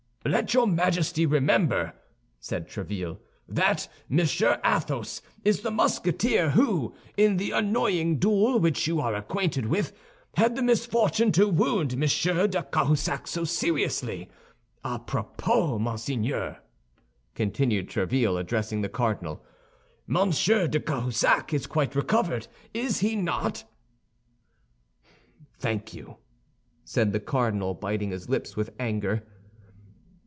"Let your Majesty remember," said Tréville, "that Monsieur Athos is the Musketeer who, in the annoying duel which you are acquainted with, had the misfortune to wound Monsieur de Cahusac so seriously. A propos, monseigneur," continued Tréville, addressing the cardinal, "Monsieur de Cahusac is quite recovered, is he not?" "Thank you," said the cardinal, biting his lips with anger.